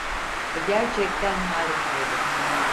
Bu gerçekten harikaydı.